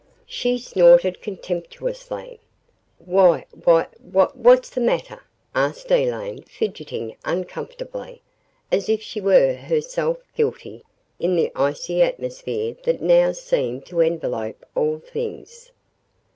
She snorted contemptuously. "Why wh what's the matter?" asked Elaine, fidgeting uncomfortably, as if she were herself guilty, in the icy atmosphere that now seemed to envelope all things.